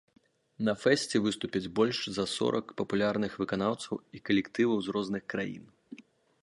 На фэсце выступяць больш за сорак папулярных выканаўцаў і калектываў з розных краін.